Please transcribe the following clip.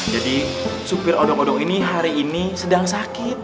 jadi supir odong odong ini hari ini sedang sakit